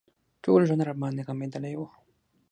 ټول ژوند راباندې غمېدلى و.